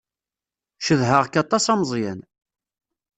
Cedheɣ-k aṭas a Meẓyan.